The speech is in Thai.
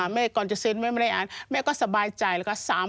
แม่ก่อนจะเซ็นแม่ไม่ได้อ่านแม่ก็สบายใจแล้วก็